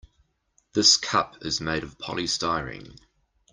This cup is made of polystyrene.